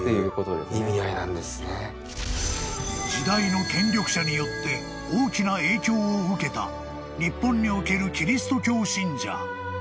［時代の権力者によって大きな影響を受けた日本におけるキリスト教信者］